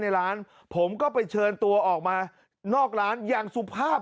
ในร้านผมก็ไปเชิญตัวออกมานอกร้านอย่างสุภาพ